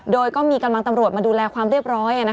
โดยก็มีกำลังตำรวจมาดูแลความเรียบร้อย